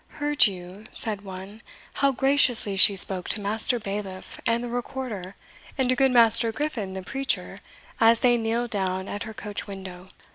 "Heard you," said one, "how graciously she spoke to Master Bailiff and the Recorder, and to good Master Griffin the preacher, as they kneeled down at her coach window?"